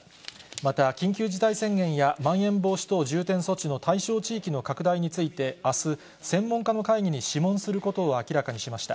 また、緊急事態宣言やまん延防止等重点措置の対象地域の拡大について、あす、専門家の会議に諮問することを明らかにしました。